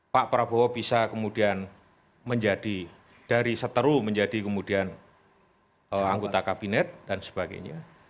pak prabowo bisa kemudian menjadi dari seteru menjadi kemudian anggota kabinet dan sebagainya